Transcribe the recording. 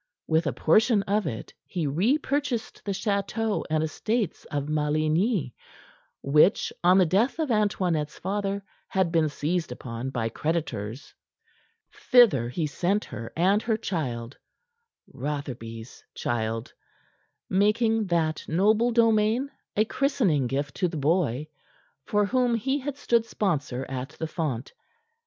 With a portion of it he repurchased the chateau and estates of Maligny, which on the death of Antoinette's father had been seized upon by creditors. Thither he sent her and her child Rotherby's child making that noble domain a christening gift to the boy, for whom he had stood sponsor at the font.